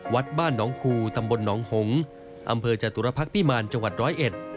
วัดบ้านหนองคูตำบลหนองหงษ์อำเภอจตุรพักษ์พิมารจังหวัดร้อยเอ็ด